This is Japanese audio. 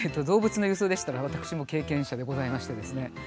動物の輸送でしたら私も経験者でございましてですね。